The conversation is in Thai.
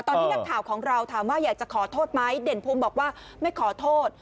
ตอนนี้นักข่าวของเราถามว่าอยากจะขอโทษไหมเด่นภูมิบอกว่าไม่ขอโทษ